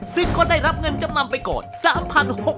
ซึ่งก็ได้รับเงินจำนำไปก่อน